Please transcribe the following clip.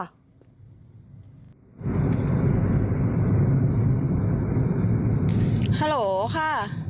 ฮัลโหลค่ะ